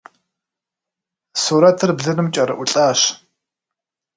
Сурэтыр блыным кӏэрыӏулӏащ.